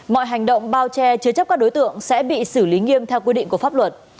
mọi hành động bao che chứa chấp các đối tượng sẽ bị xử lý nghiêm theo quy định của pháp luật